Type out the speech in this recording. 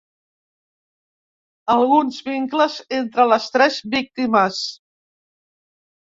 Alguns vincles entre les tres víctimes.